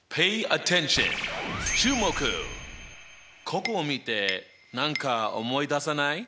ここを見て何か思い出さない？